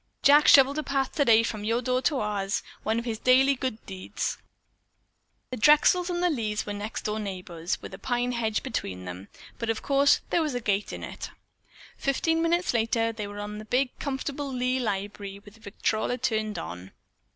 Jack shoveled a path today from your door to ours. One of his daily good deeds." The Drexels and Lees were next door neighbors with a pine hedge between them, but of course there was a gate in it. Fifteen minutes later they were in the big comfortable Lee library with the victrola turned on.